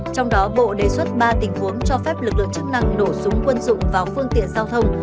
trong đó bộ đề xuất ba tình huống cho phép lực lượng chức năng nổ súng quân dụng vào phương tiện giao thông